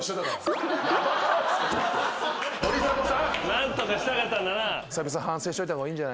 何とかしたかったんだな。